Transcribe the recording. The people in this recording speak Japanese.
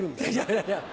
いやいや。